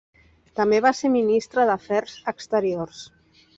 També va ser ministre d'Afers Exteriors.